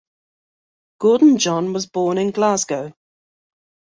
Gordon John was born in Glasgow.